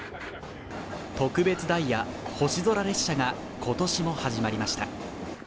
特別ダイヤ、星空列車が今年も始まりました。